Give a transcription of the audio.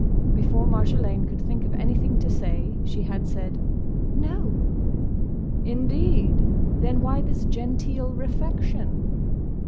Before Marjolaine could think of anything to say she had said "No." "Indeed?—Then why this genteel refection?"